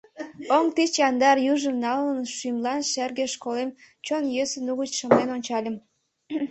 Оҥ тич яндар южым налын, шӱмлан шерге школем чон йӧсын угыч шымлен ончальым.